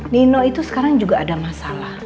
nino itu sekarang juga ada masalah